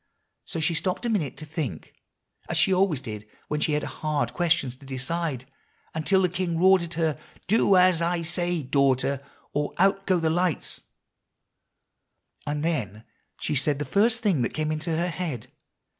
So she stopped a minute to think, as she always did when she had hard questions to decide, until the king roared at her, 'Do as I say, daughter, or out go the lights;' and then she said the first thing that came in her head.